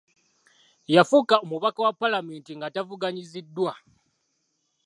Yafuuka omubaka wa paalamenti nga tavuganyiziddwa.